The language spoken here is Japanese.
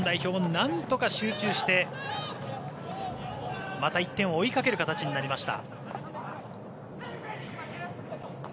なんとか集中してまた１点を追いかける形になりました。